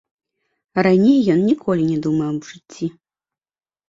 Раней ён ніколі не думаў аб жыцці.